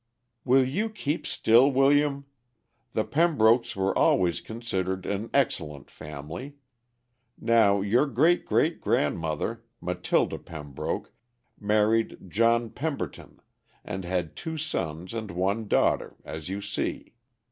"Will you keep still, William? The Pembrokes were always considered an excellent family. Now your great great grandmother, Matilda Pembroke, married John Pemberton, and had two sons and one daughter, as you see.